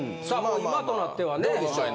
まあ今となってはね。